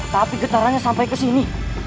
tapi getarannya sampai kesini